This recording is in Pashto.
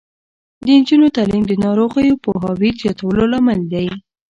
د نجونو تعلیم د ناروغیو پوهاوي زیاتولو لامل دی.